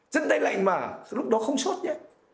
chân đây lạnh mà lúc đó không suốt nhé